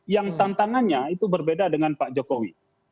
yang tantangannya itu berbeda dengan pak jokowi